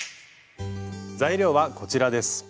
材料はこちらです。